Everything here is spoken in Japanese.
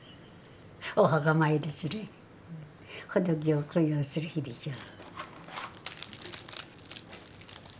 お墓参りする仏を供養する日でしょ。